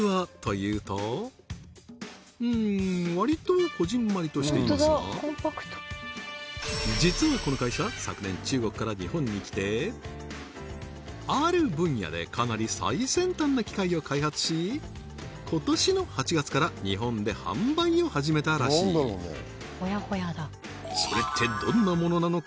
うんわりとこぢんまりとしていますが実はこの会社昨年中国から日本に来てある分野でかなり最先端な機械を開発し今年の８月から日本で販売を始めたらしいそれってどんなものなのか？